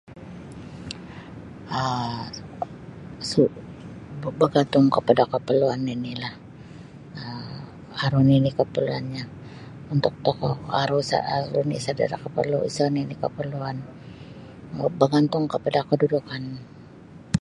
um Sop bagantung kapada kaparluan nini'lah um aru nini' kaparluannyo untuk tokou aru sa nini' sada sa' nini kaparluan bagantung kapada kadudukan.